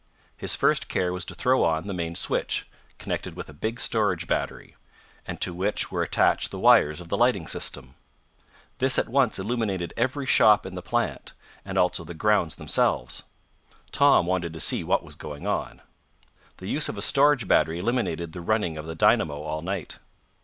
His first care was to throw on the main switch, connected with a big storage battery, and to which were attached the wires of the lighting system. This at once illuminated every shop in the plant, and also the grounds themselves. Tom wanted to see what was going on. The use of a storage battery eliminated the running of the dynamo all night.